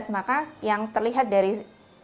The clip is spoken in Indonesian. maka yang terlihat dari